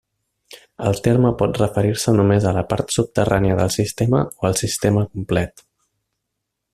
El terme pot referir-se només a la part subterrània del sistema o al sistema complet.